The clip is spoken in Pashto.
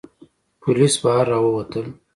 پوليس بهر را ووتل.